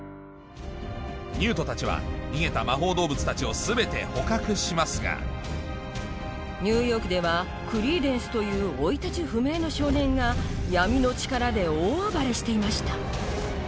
ニュートたちは逃げた魔法動物たちを全て捕獲しますがニューヨークではクリーデンスという生い立ち不明の少年が闇の力で大暴れしていました